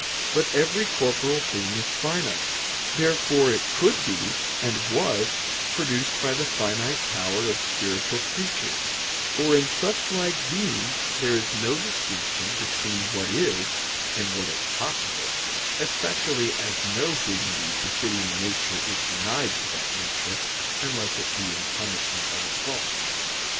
But every corporeal thing is finite. Therefore, it could be, and was, produced by the finite power of spiritual creatures: for in suchlike beings there is no distinction between what is and what is possible: especially as no dignity befitting a nature is denied to that nature, unless it be in punishment of a fault.